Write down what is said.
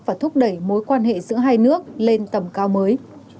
và thúc đẩy mối quan hệ giữa hai nước lên tầm cao mới